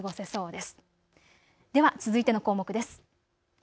では続いての項目です。